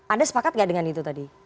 anda sepakat gak dengan itu tadi